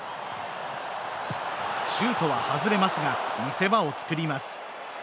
シュートは外れますが見せ場を作ります。